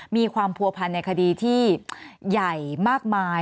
มีความผัวพันธ์ในคดีที่ใหญ่มากมาย